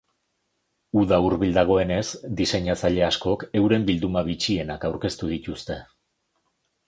Uda hurbil dagoenez, diseinatzaile askok euren bilduma bitxienak aurkeztu dituzte.